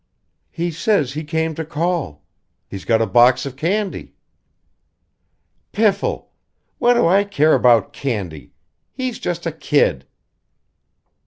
"He says he came to call. He's got a box of candy." "Piffle! What do I care about candy? He's just a kid!"